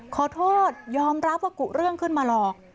ขอโทษยอมรับว่ากุเรื่องขึ้นมาหรอก